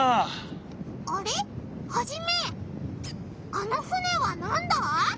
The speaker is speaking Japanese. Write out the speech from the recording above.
あの船はなんだ？